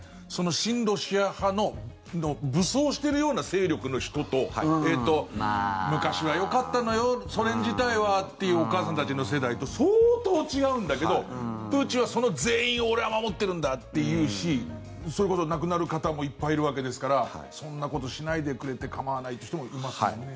親ロシア派の武装してるような勢力の人と昔はよかったのよ、ソ連時代はというお母さんたちの世代と相当違うんだけどプーチンはその全員を俺は守ってるんだって言うしそれこそ亡くなる方もいっぱいいるわけですからそんなことしないでくれて構わないという人もいますよね。